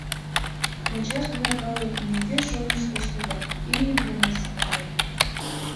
- Мучашдыме калык мӧҥгеш-оньыш коштеда — имньым гына ситаре...